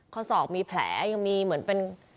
ข้อศอกมีแผลยังมีเหมือนเป็น